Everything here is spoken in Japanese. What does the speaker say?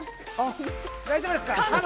大丈夫ですか！